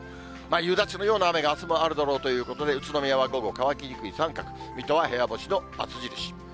夕立のような雨があすもあるだろうということで、宇都宮は午後、乾きにくい三角、水戸は部屋干しのバツ印。